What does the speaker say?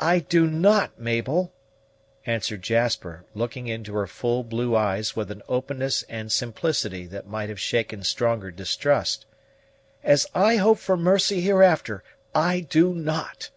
"I do not, Mabel!" answered Jasper, looking into her full blue eyes with an openness and simplicity that might have shaken stronger distrust. "As I hope for mercy hereafter, I do not!"